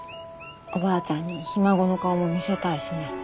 おばあちゃんにひ孫の顔も見せたいしね。